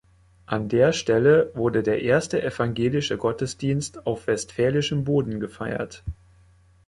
An der Stelle wurde der erste evangelische Gottesdienst auf westfälischem Boden gefeiert.